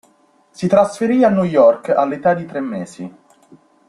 Si trasferì a New York all'età di tre mesi.